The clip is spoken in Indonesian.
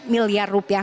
tiga lima miliar rupiah